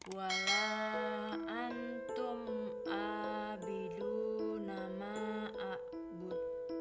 wala antum abidu nama'a budu